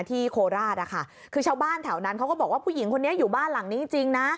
โคราชนะคะคือชาวบ้านแถวนั้นเขาก็บอกว่าผู้หญิงคนนี้อยู่บ้านหลังนี้จริงนะ